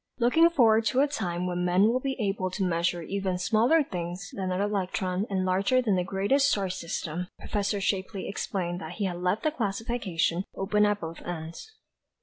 Looking forward to a time when man will be able to measure even smaller things than the electron and larger than the greatest star system, Prof. Shapley explained that he had left the classification "open at both ends."